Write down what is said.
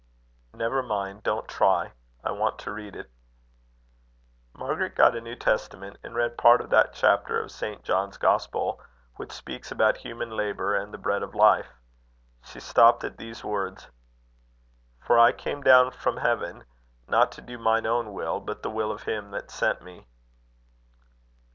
"Never mind. Don't try. I want to read it." Margaret got a New Testament, and read part of that chapter of St. John's Gospel which speaks about human labour and the bread of life. She stopped at these words: "For I came down from heaven, not to do mine own will, but the will of him that sent me."